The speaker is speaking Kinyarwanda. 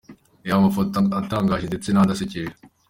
Reba amafoto atangaje ndetse n’andi asekeje.